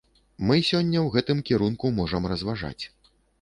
Мы сёння ў гэтым кірунку можам разважаць.